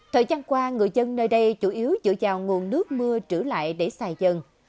thời gian qua người dân nơi đây chủ yếu dựa vào nguồn nước mưa trữ lại để xài dần